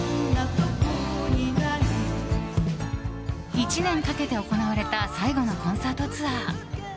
１年かけて行われた最後のコンサートツアー。